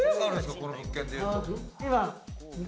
この物件。